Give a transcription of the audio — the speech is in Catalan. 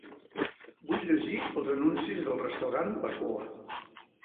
Vull llegir els anuncis del restaurant Bacoa.